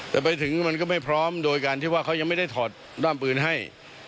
แต่ไปถึงมันก็ไม่พร้อมโดยการที่ว่าเขายังไม่ได้ถอดด้ามปืนให้